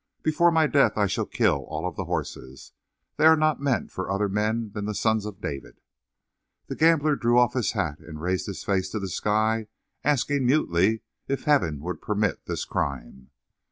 "Before my death I shall kill all of the horses. They are not meant for other men than the sons of David." The gambler drew off his hat and raised his face to the sky, asking mutely if Heaven would permit this crime.